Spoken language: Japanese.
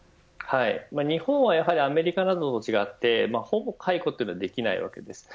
日本はアメリカなどと違ってほぼ解雇というのはできないわけです。